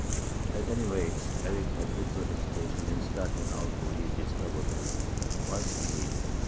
At any rate, Erik had little hesitation in starting out to rediscover them. Why should he?